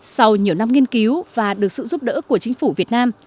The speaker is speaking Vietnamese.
sau nhiều năm nghiên cứu và được sự giúp đỡ của chính phủ việt nam